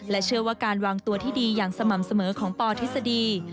เชื่อว่าการวางตัวที่ดีอย่างสม่ำเสมอของปทฤษฎี